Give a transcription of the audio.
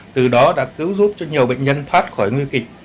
từ đó đã cứu giúp cho nhiều bệnh nhân thoát khỏi nguy kịch